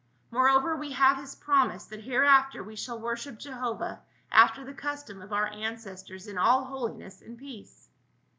Moreover we have his promise that hereafter we shall worship Jehovah after the custom of our ancestors in all holiness and peace."